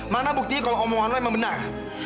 mana buktinya kalau omongan lu emang benar